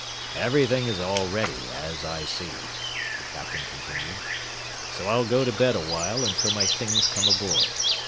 "Everything is all ready, as I see," the captain continued. "So I'll go to bed awhile until my things come aboard.